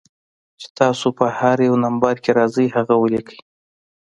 چې تاسو پۀ هر يو نمبر کښې راځئ هغه وليکئ